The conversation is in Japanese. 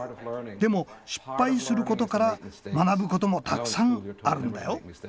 でも失敗することから学ぶこともたくさんあるんだよ。